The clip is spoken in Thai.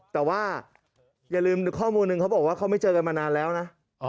แต่ว่าอย่าลืมข้อมูลหนึ่งเขาบอกว่าเขาไม่เจอกันมานานแล้วนะ